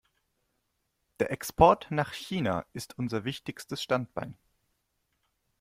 Der Export nach China ist unser wichtigstes Standbein.